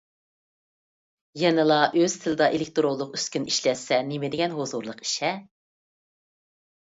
يەنىلا ئۆز تىلىدا ئېلېكتىرونلۇق ئۈسكۈنە ئىشلەتسە نېمىدېگەن ھۇزۇرلۇق ئىش-ھە.